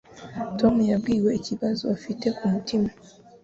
Tom yabwiwe ikibazo afite ku mutima.